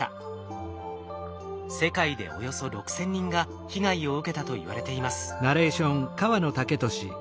世界でおよそ６，０００人が被害を受けたといわれています。